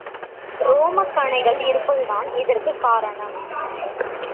ரோமக் கணைகள் இருப்பதுதான் இதற்குக் காரணம்.